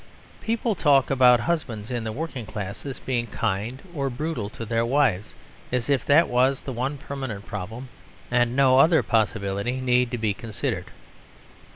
People talk about husbands in the working classes being kind or brutal to their wives, as if that was the one permanent problem and no other possibility need be considered.